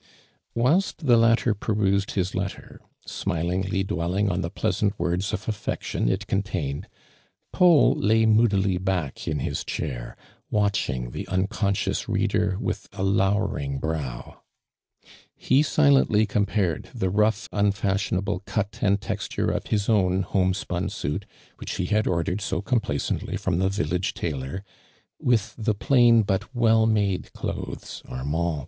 Whilst the latter perused his letter, smilii>gly dwelhug on the pleasant words of affection it contained, Paul lay moodily back in his chair, watching the unconscious read er with a lowering brow. He silently coni pared the roughs unfashionable cut an<l texture ofhis own home spun suit, which lie had ordered so con^lacently from tln> village tailor, with the plain, but well made clothes Armand M?